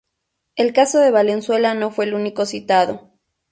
El caso de Valenzuela no fue el único citado.